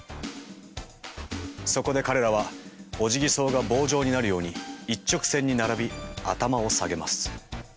そこで彼らはオジギソウが棒状になるように一直線に並び頭を下げます。